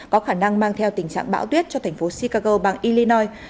có khả năng mang theo tình trạng bão tuyết cho thành phố chicago bang illinois